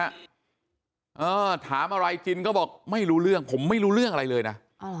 ถามอะไรจินก็บอกไม่รู้เรื่องผมไม่รู้เรื่องอะไรเลยนะ